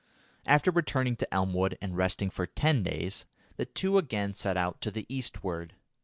After returning to Elmwood and resting for ten days, the two again set out to the eastward.